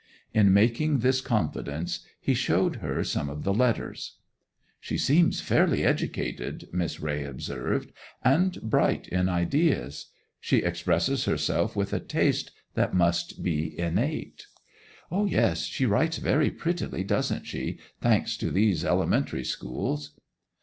In making this confidence he showed her some of the letters. 'She seems fairly educated,' Miss Raye observed. 'And bright in ideas. She expresses herself with a taste that must be innate.' 'Yes. She writes very prettily, doesn't she, thanks to these elementary schools?